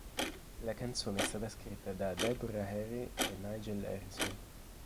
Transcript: La canzone è stata scritta da Deborah Harry e Nigel Harrison.